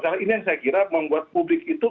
nah ini yang saya kira membuat publik itu